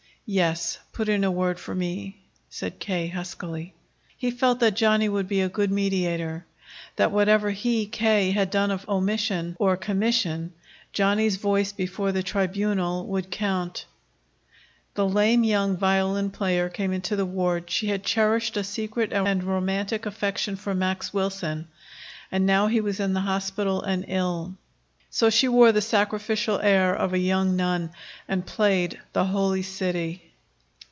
"Yes, put in a word for me," said K. huskily. He felt that Johnny would be a good mediator that whatever he, K., had done of omission or commission, Johnny's voice before the Tribunal would count. The lame young violin player came into the ward. She had cherished a secret and romantic affection for Max Wilson, and now he was in the hospital and ill. So she wore the sacrificial air of a young nun and played "The Holy City."